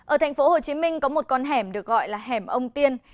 ở thành phố hồ chí minh có một con hẻm được gọi là hẻm ông tiên